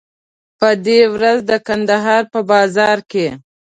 په دې ورځ د کندهار په بازار کې.